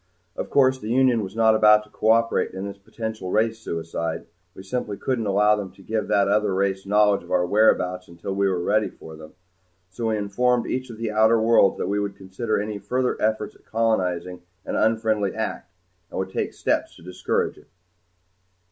Of course the Union was not about to cooperate in this potential race suicide. We simply couldn't allow them to give that other race knowledge of our whereabouts until we were ready for them. So we informed each of the outer worlds that we would consider any further efforts at colonizing an unfriendly act, and would take steps to discourage it.